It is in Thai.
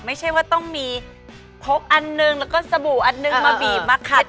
ไม่ใช่ว่าต้องมีพกอันหนึ่งแล้วก็สบู่อันนึงมาบีบมาขัด